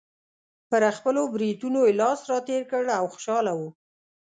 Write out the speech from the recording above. پر خپلو برېتونو یې لاس راتېر کړ او خوشحاله و.